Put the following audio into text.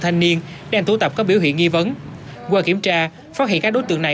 thanh niên đang tụ tập có biểu hiện nghi vấn qua kiểm tra phát hiện các đối tượng này